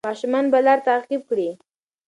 ماشومان به لار تعقیب کړي.